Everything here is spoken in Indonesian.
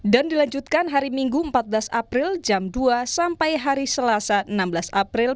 dan dilanjutkan hari minggu empat belas april jam dua sampai hari selasa enam belas april